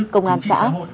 công an xã